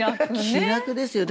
気楽ですよ。